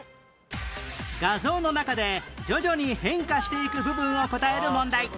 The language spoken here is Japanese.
画像の中で徐々に変化していく部分を答える問題